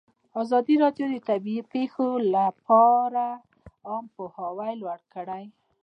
ازادي راډیو د طبیعي پېښې لپاره عامه پوهاوي لوړ کړی.